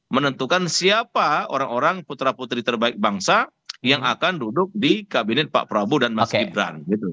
menentukan siapa orang orang putra putri terbaik bangsa yang akan duduk di kabinet pak prabowo dan mas gibran